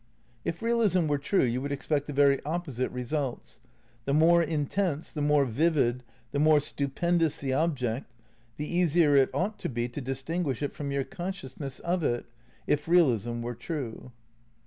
If realism were true, you would expect the very op posite results. The more intense, the more vivid, the more stupendous the object, the easier it ought to be to distinguish it from your consciousness of it, if real ism were true.